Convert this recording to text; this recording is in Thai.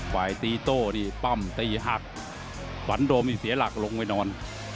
ตีโต้นี่ปั้มตีหักฝันโดมนี่เสียหลักลงไปนอน